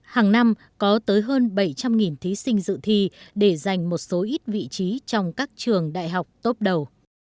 hàng năm có tới hơn bảy trăm linh thí sinh dự thi để giành một số ít vị trí trong các trường đại học tốt đầu